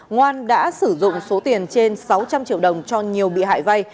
ngoan đã sử dụng số tiền trên sáu trăm linh triệu đồng cho nhiều bị hại vay